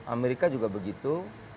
amerika juga begitu